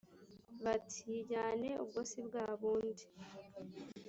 bati : yijyane ubwo si bwa bundi